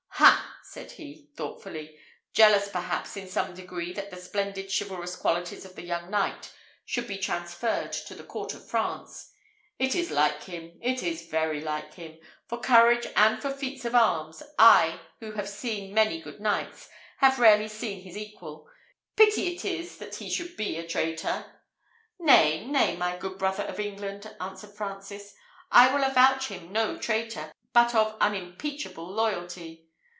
"Ha!" said he, thoughtfully, jealous perhaps in some degree that the splendid chivalrous qualities of the young knight should be transferred to the court of France. "It is like him. It is very like him. For courage and for feats of arms, I, who have seen many good knights, have rarely seen his equal. Pity it is that he should be a traitor." "Nay, nay, my good brother of England," answered Francis; "I will avouch him no traitor, but of unimpeachable loyalty.